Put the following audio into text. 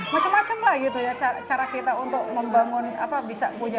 macem macem lah gitu ya cara kita untuk membangun apa bisa punya